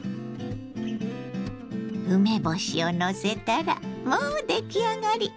梅干しをのせたらもう出来上がり！